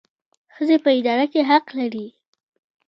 ښځې په اداره کې حق لري